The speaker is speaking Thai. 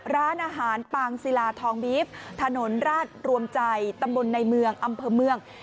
ร้านอาหารปางศิลาทองบีฟถนนราชรวมใจตำบลในเมืองอำเภอเมือง